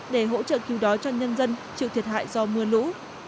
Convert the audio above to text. để hỗ trợ cứu đói cho nhân dân chịu thiệt hại do mưa lũ